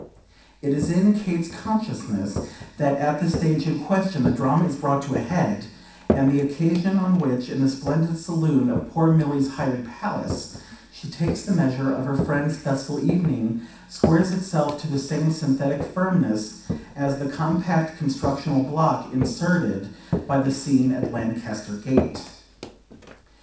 It is in Kate's consciousness that at the stage in question the drama is brought to a head, and the occasion on which, in the splendid saloon of poor Milly's hired palace, she takes the measure of her friend's festal evening, squares itself to the same synthetic firmness as the compact constructional block inserted by the scene at Lancaster Gate.